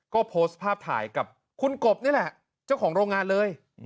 ก็โพสต์ภาพถ่ายกับคุณกบนี่แหละเจ้าของโรงงานเลย